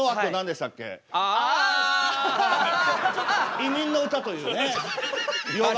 「移民の歌」というね洋楽。